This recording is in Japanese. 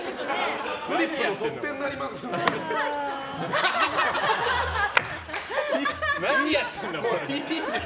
フリップの取っ手になりますので。